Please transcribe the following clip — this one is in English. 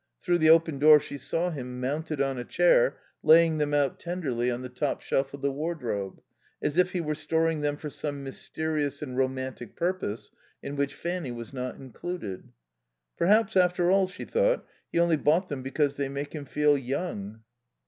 Through the open door she saw him, mounted on a chair, laying them out, tenderly, on the top shelf of the wardrobe: as if he were storing them for some mysterious and romantic purpose in which Fanny was not included. "Perhaps, after all," she thought, "he only bought them because they make him feel young."